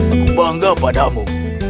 aku bangga padamu